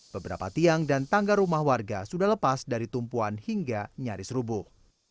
beberapa tiang dan tangga rumah warga sudah lepas dari tumpuan hingga nyaris rubuh